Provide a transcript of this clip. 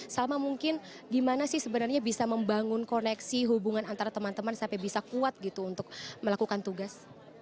salma mungkin gimana sih sebenarnya bisa membangun koneksi hubungan antara teman teman sampai bisa kuat gitu untuk melakukan tugas